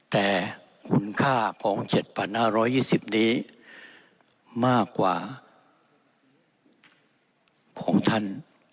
แต่คุณค่าของ๗๕๒๐นี้มากกว่าของท่าน